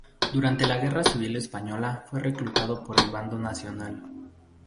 Durante la Guerra Civil Española fue reclutado por el bando nacional.